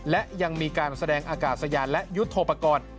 และยังมีการแสดงอากาศยานและยุทธโปรกรณ์